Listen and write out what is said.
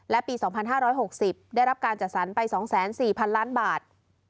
และปี๒๕๖๐ได้รับการจัดสรรไป๒๔๐๐๐ล้านบาท